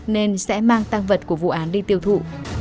nên sẽ mang tăng vật của vụ án đi tiêu thụ